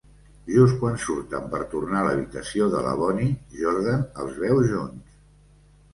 Just quan surten per tornar a l'habitació de la Bonnie, Jordan els veu junts.